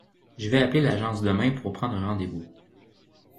Je vais appeler l'agence demain pour prendre rendez-vous.